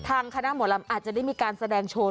อาจจะได้มีการแสดงโชว์